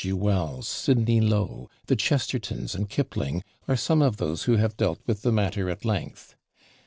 G. Wells, Sidney Low, the Chestertons and Kipling are some of those who have dealt with the matter at length.